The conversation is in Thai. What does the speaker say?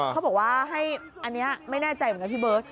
เขาบอกว่าให้อันนี้ไม่แน่ใจเหมือนกันพี่เบิร์ต